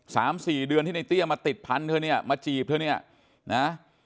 สามสี่เดือนที่ในเตี้ยมาติดพันธเธอเนี่ยมาจีบเธอเนี่ยนะ